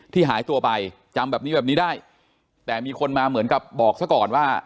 หายตัวไปจำแบบนี้แบบนี้ได้แต่มีคนมาเหมือนกับบอกซะก่อนว่า